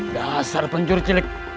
dasar penjuru jelek